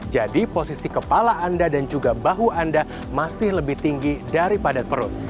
jadi posisi kepala anda dan juga bahu anda masih lebih tinggi daripada perut